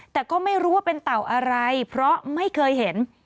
แต่ก็ไม่รู้ว่าเป็นเต่าอะไรเพราะไม่เคยเห็น